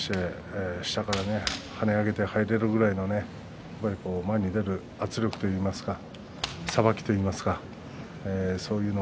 やっぱり阿武咲は厳しいのでそこから下から跳ね上げて入れるぐらいの前に出る圧力といいますかさばきといいますか。